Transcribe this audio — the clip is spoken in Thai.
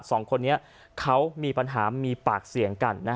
สองคนนี้เขามีปัญหามีปากเสียงกัน